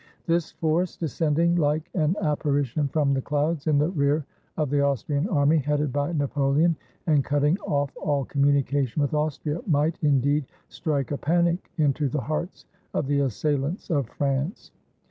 This force, descending like an apparition from the clouds, in the rear of the Austrian army, headed by Napoleon, and cutting off all communication with Austria, might indeed strike a panic into the hearts of the assailants of France.